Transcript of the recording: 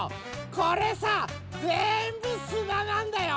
これさぜんぶすななんだよ！